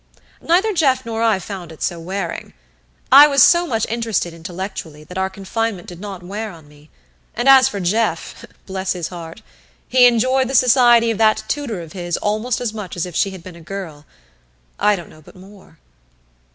Neither Jeff nor I found it so wearing. I was so much interested intellectually that our confinement did not wear on me; and as for Jeff, bless his heart! he enjoyed the society of that tutor of his almost as much as if she had been a girl I don't know but more.